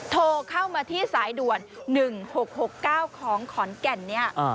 โทรเข้ามาที่สายด่วน๑๖๖๙ของขอนแก่นเนี่ย